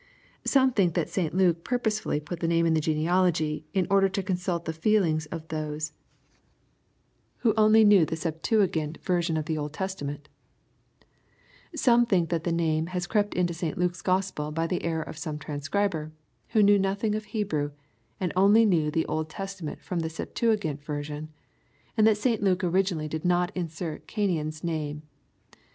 Some think that St. Luke purposely put the name in the genealogy, in order to consult the feelings of those who oiiJy knew the Septp LUKK^ CHAP. IV. 107 tiftgint version of the Old Testament — Some think that the name has crept into St Luke's Gospel by the error of some transcriber, who knew nothing of Hebrew, and only knew the Old Testament from the Septuagint version, and that St Luke originally did not insert Cainan's name.